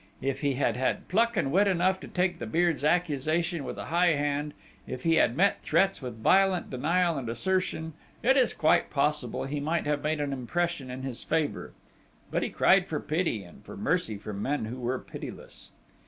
If he had had pluck and wit enough to take the Beard's accusation with a high hand, if he had met threats with violent denial and assertion, it is quite possible he might have made an impression in his favour; but he cried for pity and for mercy from men who were pitiless!